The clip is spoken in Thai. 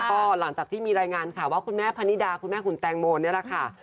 ก็หลังจากที่มีรายงานข่าวว่าคุณแม่พนิดาคุณแม่คุณแตงโมนี่แหละค่ะ